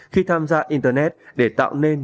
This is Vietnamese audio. khi tham gia internet để tạo nên